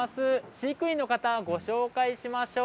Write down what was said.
飼育員の方ご紹介しましょう。